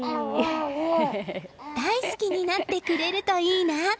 大好きになってくれるといいな。